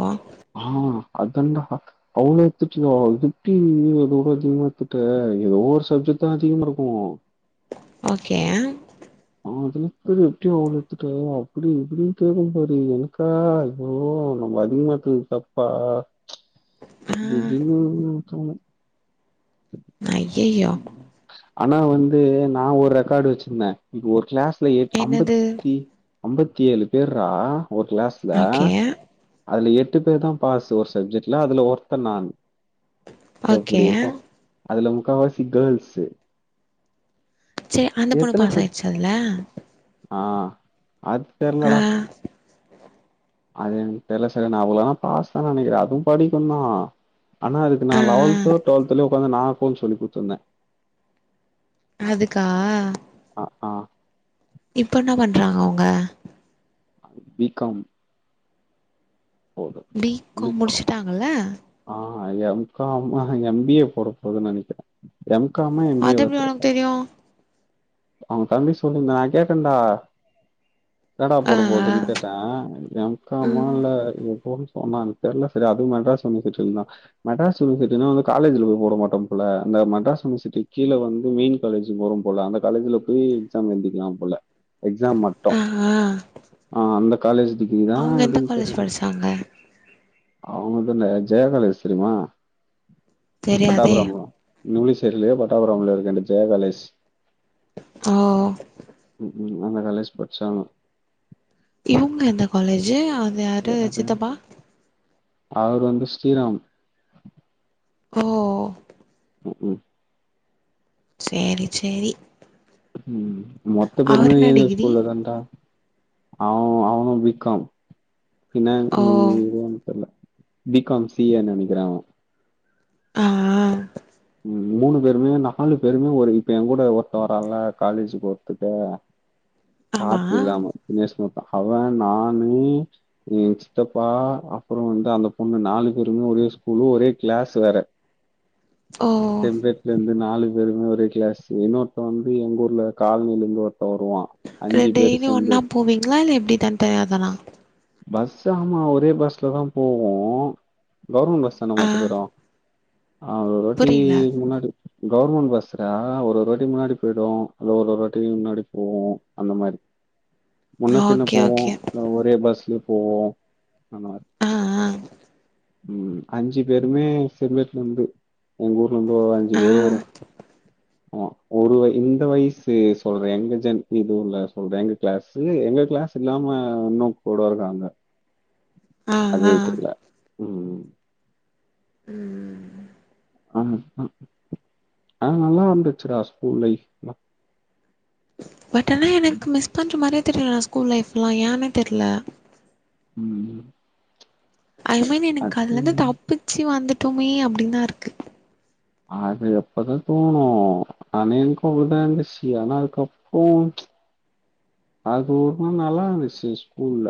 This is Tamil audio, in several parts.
ஆ ஆ அதாண்டா அவுளோ திட்டுனோ திட்டி எது அதிகமா திட்டல ஏதோ ஒரு சப்ஜெக்ட்தா அதிகமாருக்கு ஓகே அதுக்குன்னு இப்படியா அவ்ளோ அப்டி இப்டின்னு கேக்கும் பாரு எனக்கா ஓ நம்ப அதிகமா தூ தப்பா ஆ அப்டி இப்டின்னு தோணு ஐயையோ ஆனா வந்து நா ஒரு ரெக்கார்டு வச்சிருந்த இப்ப ஒரு கிளாஸ் லயே என்னது அம்பத்தி அம்பத்தி ஏழு பேர்ரா ஒரு கிளாஸ்ல ஓகே அதுல எட்டு பேர் தா பாஸு ஒரு சப்ஜெக்ட்ல அதுல ஒருத்தன் நானு ஓகே எப்டி இருக்கு அதுல முக்காவாசி கேர்ள்ஸு சேர் அந்த பொண்ணு பாஸ் ஆயிடுச்சா அதுல ஆ அது ஆ தெர்லடா அது எனக்கு தெர்ல சரியா ஞாபக இல்ல ஆனா பாஸ் தா நெனைக்கிற அதுவு படிக்குந்தா ஆனா அதுக்கு நா ஆ ஆ லெவல்த்தோ டுவெல்த்துலையோ உக்காந்து நா அக்கவுண்ட் சொல்லி குடுத்துருந்த அதுக்கா ஆ ஆ இப்போ என்ன பண்றாங்க அவுங்க பி காம் போது பி காம் முடிச்சிட்டாங்கல்ல ஆ எம் காம் ஆஹ எம் பி ஏ போடப் போவுதுன்னு நெனைக்கிற எம் காமா எம் பி அது ஏவா எப்டி உனக்கு தெர்ல தெரியு அவுங்க தம்பி சொல்லி நா கேட்டேன்டா என்னடா ஆ போடப் ஆ போவுதுன்னு கேட்ட ஆ எம் காமா ம் இல்ல எப்ப சொன்னா எனக்கு தெர்ல சரியா அதுவு மெட்ராஸ் யுனிவர்சிட்டினா மெட்ராஸ் யுனிவர்சிட்டினா வந்து காலேஜ்ல போட மாட்டோ போல அந்த மெட்ராஸ் யுனிவர்சிட்டி கீழ வந்து மெயின் காலேஜ்க்கு போறோ போல அந்த காலேஜ்ல போய் எக்ஸாம் எழுதிக்கலா போல எக்ஸாம் மட்டு ஆ ஆ அந்த காலேஜ் டிகிரிதா அவங்க எந்த எப்டின்னு காலேஜ் தெரில படிச்சாங்க அவுங்க தான ஜெயா காலேஜ் தெரியுமா தெரியாதே பட்டாபிராமா நியூஸ்சேரிலையோ பட்டாபிராம்லயோ இருக்கு அந்த ஜெயா காலேஜ் ஆ ம்ஹு அந்த காலேஜ் படிச்சாங்க இவுங்க எந்த காலேஜு அந் என்ன பேரு அவர் வந்து ஸ்ரீராம் ஓ ம் ஹு சேரி சேரி ம் மொத்த பேருமே அவர் என்ன ஏஞ்சல்ஸ் டிகிரி ஸ்கூல்ல தாண்டா அவ அவனு பி காம் பின்ன ஓ நீ எதோ எனக் தெர்ல பி காம் சி ஏன்னு நெனைக்கிற அவ ஆ ம் மூணு பேருமே நாலு பேருமே ஒரு இப்ப எங்கூட ஒருத்த வரான்ல காலேஜு போறத்துக்கு ஆமா காத்து இல்லாம தினேஷ் மட்டு அவன் நானி ஏ சித்தப்பா அப்புற வந்து அந்த பொண்ணு நாலு பேருமே ஒரே ஸ்கூலு ஒரே கிளாஸ் வேற ஓ செம்பேத்கன் இந்த நாலு பேருமே ஒரே கிளாஸ் இன்னொருத்த வந்து எங்கூர்ல காலனிலேருந்து ஒருத்த வருவா டெ அஞ்சு பேரு டெய்லியு ஒன்னா செம்பேடு போவீங்களா இல்ல எப்டி தனித்தனியா தானா பஸ்ஸூ ஆமா ஒரே பஸ்லதா போவோ கவர்மெண்ட் பஸ் தானே ஆ மொத்த பேரு அ ஒருவாட்டி புரியல முன்னாடி கவர்மெண்ட் பஸ்ல ஒரு ஒரு வாட்டி முன்னாடி போய்டு இல்ல ஒரு ஒரு வாட்டி முன்னாடி போவோ அந்த மாரி முன்ன பின்ன ஓகே போவோம் ஓகே எல்லா ஒரே பஸ்லே போவோ அந்த மாரி ஆ ம் அஞ்சு பேருமே சிறுவட்ல இருந்து எங்க ஊர்ல இருந்து ஒரு அஞ்சு ஆ ஆ பேரு வரு ஆ ஒரு வய இந்த வயசு சொல்ற எங்க ஜன் இது ஊர்ல சொல்ற எங்க கிளாஸ்சு எங்க கிளாஸ் அது இல்லாம இன்னு கூட இருக்காங்க ஆ அதே ஆ எப்பர் டா ம் ம் ஆ ஆ ஆ நல்லா இருந்துச்சிடா ஸ்கூல் லைப்ல பட் ஆனா ம் எனக்கு மிஸ் பண்ற மாரியே தெரில ஸ்கூல் லைஃப்லா ஏன்னே தெர்ல ம் ஐ மீன் எனக்கு அதுல இருந்து அது தப்பிச்சு வந்துட்டோமே அப்டின் தா இருக்கு அது அப்ப தா தோணு ஆனா என்கு அப்படிதா இருந்துச்சு ஆனா அதுக்கப்றோ அது ரொம்ப நல்லா இருந்துச்சு ஸ்கூல்ல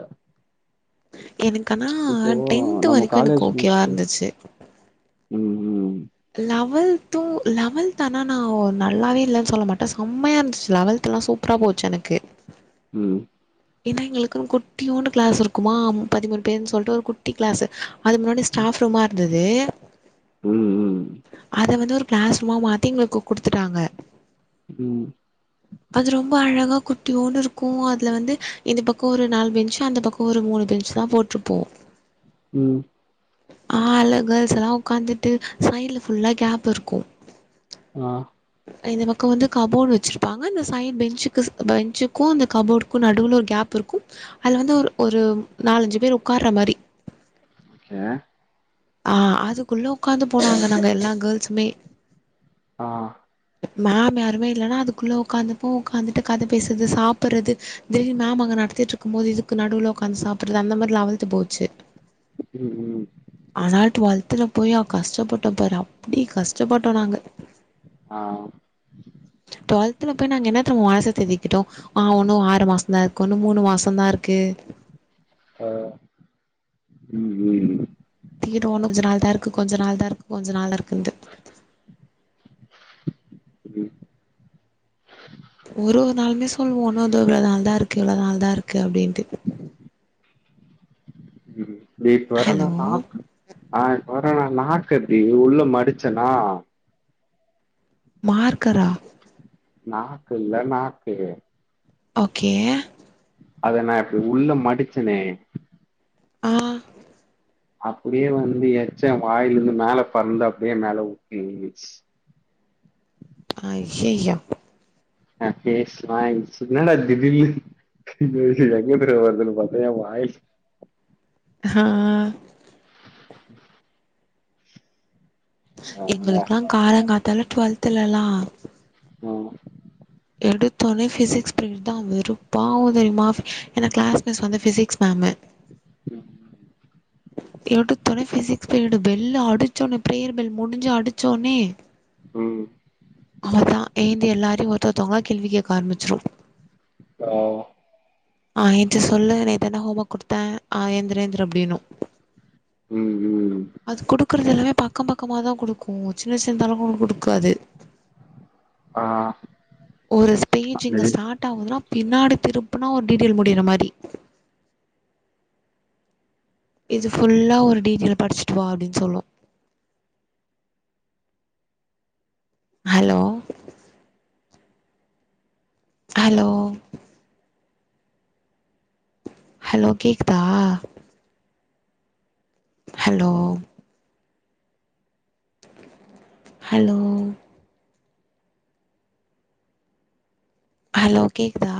எனக்கு ஆனா இப்போ டென்த் நம்ம வரைக்கு எனக்கு காலேஜ் ஓகேவா முடிச்சுட்டு இருந்துச்சு ம் ம் லெவல்த்து லெவல்த் ஆனா நா நல்லாவே இல்லன் சொல்ல மாட்ட சம்மையா இருந்துச்சு லெவல்த் எல்லா சூப் பரா போச்சு எனக்கு ம் ஏன்னா எங்களுக்குன் குட்டியோன்ட்டு கிளாஸ் இருக்குமா பதிமூணு பேருன் சொல்டு ஒரு குட்டி கிளாஸ்சு அதுக் முன்னாடி ம், ஸ்டாப் ரூமா இருந்தது ம், அத வந்து ஒரு கிளாஸ் ரூமா மாத்தி எங்களுக்கு குடுத்துட்டாங்க ம் அது ரொம்ப அழகா குட்டியோன்டு இருக்கு அதுல வந்து இந்த பக்கோ ஒரு நாலு பெஞ்சு அந்த பக்க ஒரு மூணு பெஞ்சு தா போட் டுருப்போ ம் ஆ எல்லா கேல்ஸ் எல்லா உட்காந்துட்டு சைடுல ஃபுல்லா கேப் இருக்கு ஆ இந்த பக்கோ வந்து கபோடு வச்சிரு ப்பாங்க அந்த சைட் பெஞ்சுக்கு பெஞ்சுக்கு அந்த கபோர்டுக்கு நடுவுல ஒரு கேப் இருக்கு அதுல வந்து ஒரு ஒரு நாலஞ்சு பேர் உட்கார்ற மாரி ஓகே ஆ அதுக்குள்ள உட்காந்து போ நாங்க நாங்க எல்லா கேர்ள்சுமே ஆ மேம் யாருமே இல்லன்னா அதுக்குள்ள உட்காந்துப்போ உட்காந்துட்டு கத பேசறது சாப்பறது திடீர் மேம் அங்க நடத்திட்டு இருக்கும் போது இதுக்கு நடுவுல உட்காந்து சாப்பறது அந்த மாரி லெவல்த்து போச்சு ம் ம் ஆனால் டுவெல்த்துல போய் அ கஷ்டப்பட்டோ பாரு அப்டி கஷ்டப்பட்டோ நாங்க ஆ டுவெல்த்தில போய் நாங்க என்ன தெர்மா மனச தேத்திகிட்டோ ஆ உன்னு ஆறு மாஸ் தா இருக்கு இன்னு மூணு மாச தா இருக்கு ஆ ம் ம் தீரு உன்னு கொஞ்ச நாள் தா இருக்கு கொஞ்ச நாள் தா இருக்கு கொஞ்ச நாள் இருக்குன்டு ம் ஒரு ஒரு நாளுமே சொல்லுவோ இன்னு இதோ இவ்ளோ நாள் தா இருக்கு இவ்ளோ நாள் தா இருக்கு அப்டின்ட்டு ம் வெயிட் ஹலோ வரன நாக் ஆ இப்ப வர்ரனா நாக்க இப்டி உள்ள மடிச்சேனா மார்கரா நாக்கு இல்ல நாக்கு ஓகே அத நா இப்டி உள்ள மடிச்சனே ஆ அப்டியே வந்து எச்ச ஏ வாயில இருந்து மேல பல்லுல அப்டியே மேல ஊத்தி விழுந்துச்சி அய்யயோ ஆ எஸ் மைன்ஸ் என்னடா திடீர்ன்னு இங்க எங்க இருந்துடா வருதுன்னு பாத்தா ஏ வாய்ஸ் ஆ ஆ, ஆ, எங்களுக்குல்லா காலாங்காத்தால டுவெல்தலல்லா ஆ எடுத்த ஒன்னே ஃபிசிக்ஸ் பீரியட் தா வரு பாவோ தெரியுமா ஏன்னா கிளாஸ் மிஸ் வந்து ஃபிசிக்ஸ் மேம்மு ம் எடுத்த ஒன்னே பிசிக்ஸ் பீரியட் பெல் அடிச்ச ஒன்னே பிரேயர் பெல் முடிஞ்சி அடிச்ச ஒன்னே ம் அவளதா எழுந்து எல்லாரையு ஒருத்த ஒருத்தவங்களா கேள்வி கேக்க ஆரம்மிச்சிரு ஆ ஆ ஏஞ்சி சொல்லு நேத்து என்ன ஹோம் ஒர்க் குடுத்தே ஆ எந்திரி ஏந்திரி அப்டின்னு ம் ம் அது குடுக்குறது எல்லாமே பக்கம் பக்கமா தா குடுக்கு சின்ன சின்ன தால்லா ஒண்ணு குடுக்காது ஆ ஒரு ஸ்பேஜ் இங்க ஸ்டார்ட் ஆவுதுன்னா பின்னாடி திருப்புனா ஒரு டீட்டெயில் முடியிற மாரி இது ஃபுல்லா ஒரு டிட்டெயில் படிச்சிட்டு வா அப்டின்னு சொல்லு ஹலோ ஹலோ ஹலோ கேக்குதா ஹலோ ஹலோ ஹலோ கேக்குதா